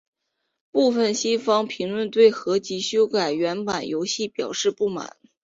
部分西方评论对合辑修改原版游戏表示不满。